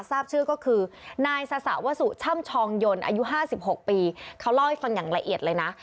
ทราบชื่อก็คือนายสสะวสุช่ำชองยนอายุ๕๖ปีเขาเล่าให้ฟังอย่างละเอียดเลยนะ